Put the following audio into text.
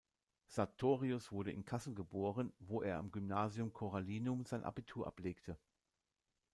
Sartorius wurde in Kassel geboren, wo er am Gymnasium Carolinum sein Abitur ablegte.